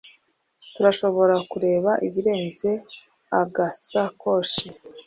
turashobora kureba ibirenze agasakoshi